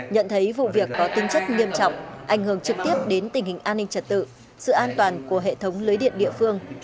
nhận thấy vụ việc có tính chất nghiêm trọng ảnh hưởng trực tiếp đến tình hình an ninh trật tự sự an toàn của hệ thống lưới điện địa phương